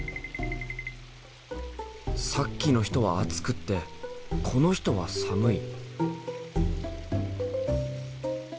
さっきの人は熱くってこの人は寒い。